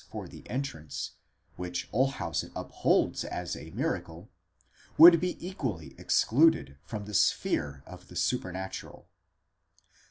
for the entrance, which Olshausen upholds as a miracle, would be equally excluded from the sphere of the supernatural.